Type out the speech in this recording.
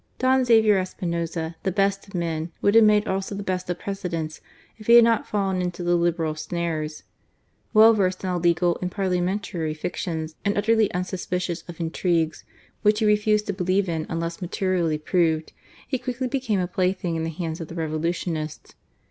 Don Xavier Espinoza, the best of men, would have made also the best of Presidents if he had not fallen into the Liberal snares. Well versed in all legal and parliamentary fictions and utterly unsus picious of intrigues, which he refused to believe in unless materially proved, he quickly became a plaything in the hands of the Revolutionists.